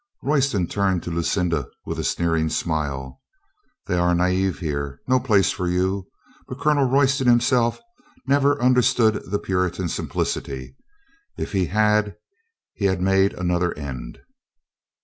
Royston turned to Lucinda with a sneering smile. "They are naiVe here. No place for you." But Colonel Royston himself never understood the Puri tan simplicity. If he had he had made another end.